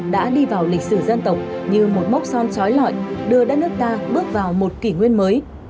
đã đi vào lịch sử dân tộc như một mốc son trói lọi đưa đất nước ta bước vào một kỷ nguyên mới